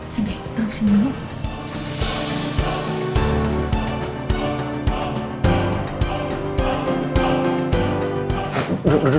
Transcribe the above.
sini disini dulu